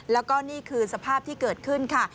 แล้วก็นี่คือสภาพที่เกิดขึ้นค่ะ